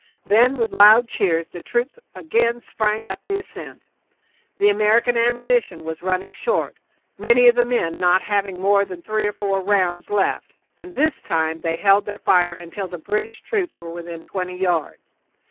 Then, with loud cheers, the troops again sprang up the ascent. The American ammunition was running short, many of the men not having more than three or four rounds left, and this time they held their fire until the British troops were within twenty yards.